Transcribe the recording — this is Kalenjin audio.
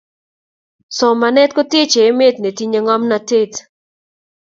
somanet kotechei emet nitinyei ngomnatet